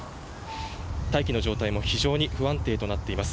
大気の状態も非常に不安定となっています。